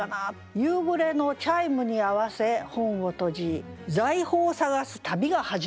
「夕暮れのチャイムに合わせ本を閉じ財宝探す旅が始まる」。